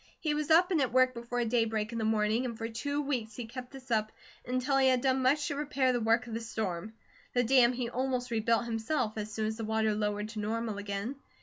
He was up and at work before daybreak in the morning, and for two weeks he kept this up, until he had done much to repair the work of the storm. The dam he almost rebuilt himself, as soon as the water lowered to normal again.